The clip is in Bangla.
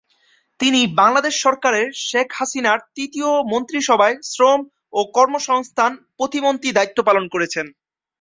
তিনি বাংলাদেশ সরকারের শেখ হাসিনার তৃতীয় মন্ত্রিসভায় শ্রম ও কর্মসংস্থান প্রতিমন্ত্রী দায়িত্ব পালন করেছেন।